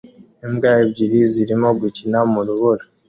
Imbwa ebyiri zirimo gukina mu rubura